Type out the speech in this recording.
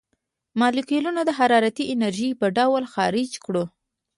مالیکولونه د حرارتي انرژۍ په ډول خارج کړو.